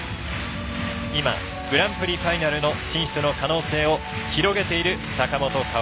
今、グランプリファイナルの進出の可能性を広げている坂本花織。